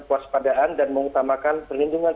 kekuas padaan dan mengutamakan perlindungan